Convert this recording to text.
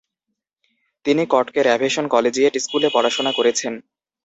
তিনি কটকে র্যাভেশন collegiate school পড়াশুনা করেছেন।